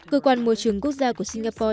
cơ quan môi trường quốc gia của singapore